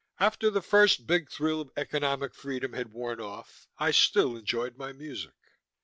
After the first big thrill of economic freedom had worn off, I still enjoyed my music.